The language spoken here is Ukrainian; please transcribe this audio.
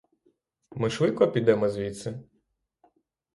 Ми швидко підемо звідси?